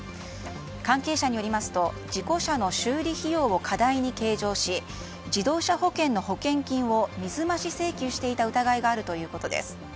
関係者によりますと事故車の修理費用を過大に計上し自動車保険の保険金を水増し請求していた疑いがあるということです。